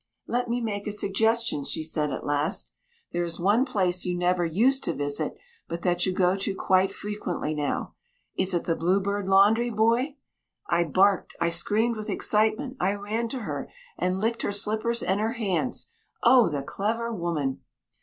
"Let me make a suggestion," she said at last. "There is one place you never used to visit, but that you go to quite frequently now Is it the Blue Bird Laundry, Boy?" I barked, I screamed with excitement, I ran to her, and licked her slippers and her hands. Oh! the clever woman.